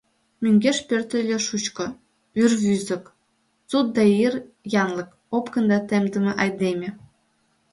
Мӧҥгеш пӧртыльӧ шучко, вӱрвузык, сут да ир янлык, опкын да темдыме айдеме.